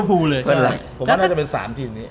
ผมว่าน่าจะเป็น๓ทีมนี้